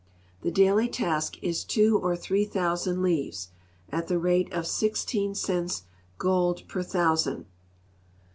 The daily task is two or three thousand leaves, at the rate of 16 cents (gold) per thousand.